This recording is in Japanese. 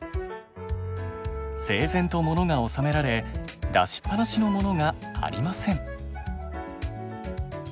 整然とモノが収められ出しっぱなしのモノがありません。